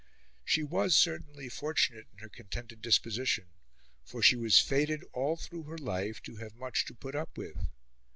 She was certainly fortunate in her contented disposition; for she was fated, all through her life, to have much to put up with.